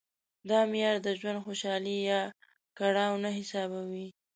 دا معیار د ژوند خوشالي یا کړاو نه حسابوي.